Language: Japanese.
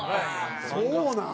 そうなん。